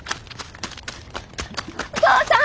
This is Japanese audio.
お父さん！？